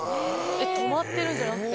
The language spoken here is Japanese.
止まってるんじゃなくて？